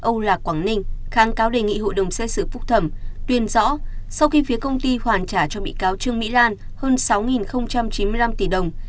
ông lạc quảng ninh kháng cáo đề nghị hội đồng xét xử phúc thẩm tuyên rõ sau khi phía công ty hoàn trả cho bị cáo trương mỹ lan hơn sáu chín mươi năm tỷ đồng